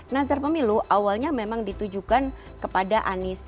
nazar pemilu awalnya memang ditujukan kepada anies